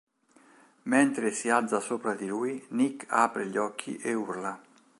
Mentre si alza sopra di lui, Nick apre gli occhi e urla.